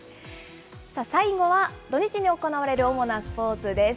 最後は、土日に行われる主なスポーツです。